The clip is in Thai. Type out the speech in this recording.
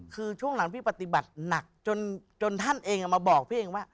คือช่วงหลังพี่ปฏิบัติหนักจนท่านเองมาบอกพี่เองว่า